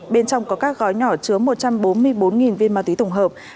bên trong có các gói nhỏ chứa một trăm bốn mươi bốn viên ma túy tổng hợp